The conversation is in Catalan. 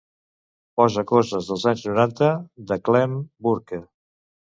Posa coses dels anys noranta de Clem Burke.